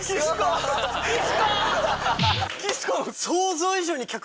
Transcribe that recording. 岸子！